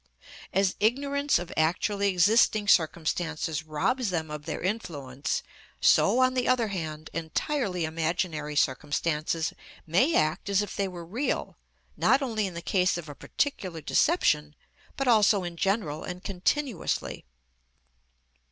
As ignorance of actually existing circumstances robs them of their influence, so, on the other hand, entirely imaginary circumstances may act as if they were real, not only in the case of a particular deception, but also in general and continuously.